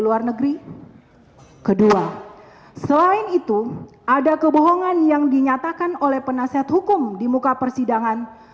luar negeri kedua selain itu ada kebohongan yang dinyatakan oleh penasehat hukum di muka persidangan